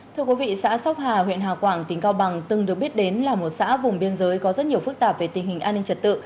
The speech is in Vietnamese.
thưa quý vị xã sóc hà huyện hào quảng tỉnh cao bằng từng được biết đến là một xã vùng biên giới có rất nhiều phức tạp về tình hình an ninh trật tự